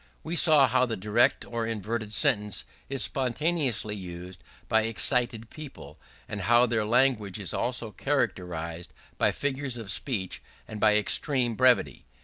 We saw how the direct or inverted sentence is spontaneously used by excited people; and how their language is also characterized by figures of speech and by extreme brevity.